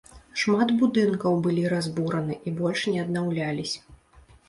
Шмат будынкаў былі разбураны, і больш не аднаўлялісь.